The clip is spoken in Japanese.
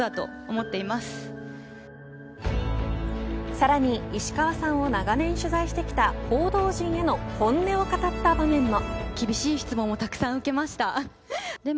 さらに石川さんを長年取材してきた報道陣への本音を語った場面も。